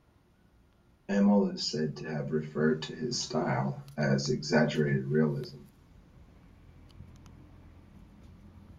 Emil is said to have referred to his style as "exaggerated realism".